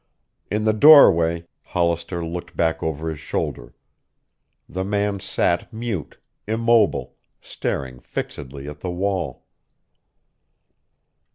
In the doorway Hollister looked back over his shoulder. The man sat mute, immobile, staring fixedly at the wall.